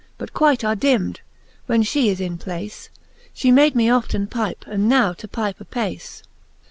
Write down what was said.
But quite are dimmed, when {he is in place. She made me often pipe, and now to pipe apace.